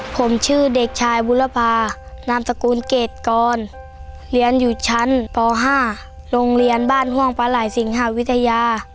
ผมชื่อเด็กชายบุรพานามสกุลเกรดกรเรียนอยู่ชั้นป๕โรงเรียนบ้านห่วงปลาไหล่สิงหาวิทยา